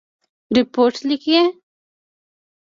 رپوټ لیکئ؟